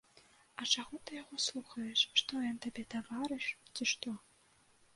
А чаго ты яго слухаеш, што ён табе таварыш, ці што?